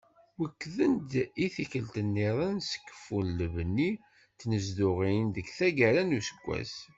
Wekkden-d i tikkelt-nniḍen s keffu n lebni n tnezduɣin deg taggara n useggas.